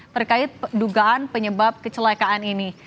terkait dugaan penyebab kecelakaan ini